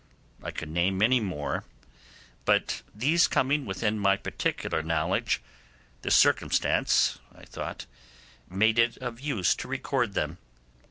I could name many more, but these coming within my particular knowledge, the circumstance, I thought, made it of use to record them.